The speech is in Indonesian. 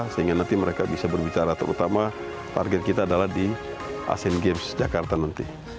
sehingga nanti mereka bisa berbicara terutama target kita adalah di asean games jakarta nanti